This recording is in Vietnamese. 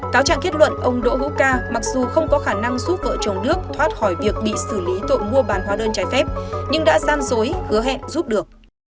cáo trạng kết luận ông đỗ hữu ca mặc dù không có khả năng giúp vợ chồng đức thoát khỏi việc bị xử lý tội mua bán hóa đơn trái phép nhưng đã gian dối hứa hẹn giúp được